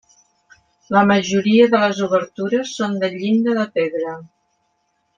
La majoria de les obertures són de llinda de pedra.